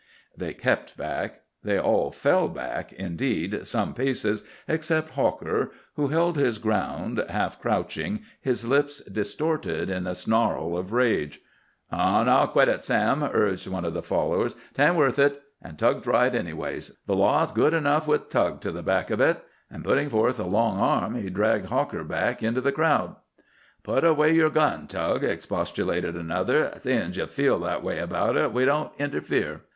They kept back. They all fell back, indeed, some paces, except Hawker, who held his ground, half crouching, his lips distorted in a snarl of rage. "Aw now, quit it, Sam," urged one of his followers. "'Tain't worth it. An' Tug's right, anyways. The law's good enough, with Tug to the back of it." And putting forth a long arm he dragged Hawker back into the crowd. "Put away yer gun, Tug," expostulated another. "Seein's ye feel that way about it, we won't interfere."